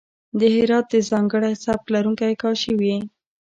د هرات د ځانګړی سبک لرونکی کاشي وې.